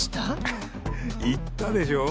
ははっ言ったでしょう？